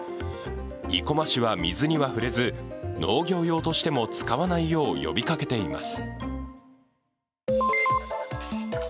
生駒市は水には触れず農業用としても使わないよう呼びかけています。